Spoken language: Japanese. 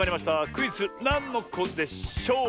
クイズ「なんのこでショー」。